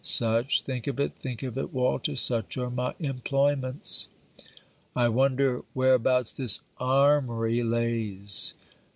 Such think of it, think of it, Walter such are my employments! I wonder whereabouts this armoury lays.